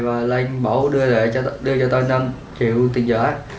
và lưu gia bảo đưa cho tôi năm triệu tiền giả